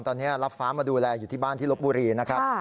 ตอนนี้รับฟ้ามาดูแลอยู่ที่บ้านที่ลบบุรีนะครับ